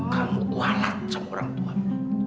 kamu kualan sama orang tua mi